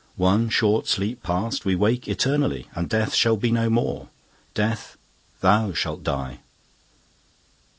One short sleep past, we wake eternally, And Death shall be no more: Death, thou shalt die!